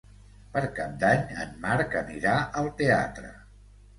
Per Cap d'Any en Marc anirà al teatre.